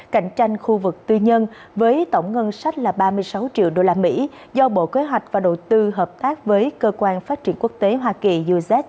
cạnh tranh khu vực tư nhân với tổng ngân sách là ba mươi sáu triệu usd do bộ kế hoạch và đầu tư hợp tác với cơ quan phát triển quốc tế hoa kỳ uz